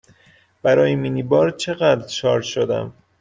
برای مینی بار چقدر شارژ شدم؟